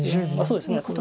そうですね